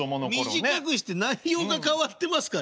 短くして内容が変わってますから。